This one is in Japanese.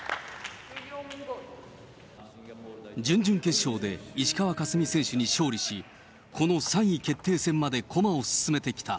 準々決勝で石川佳純選手に勝利し、この３位決定戦まで駒を進めてきた。